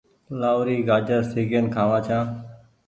لآهوري گآجر سيڪين کآوآن ڇآن ۔